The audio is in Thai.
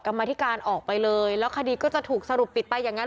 กรรมธิการออกไปเลยแล้วคดีก็จะถูกสรุปปิดไปอย่างนั้น